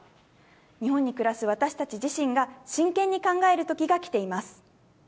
日本に暮らす私たち自身が真剣に考えるときがきています。